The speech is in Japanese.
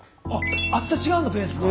厚さ違うんだベースが。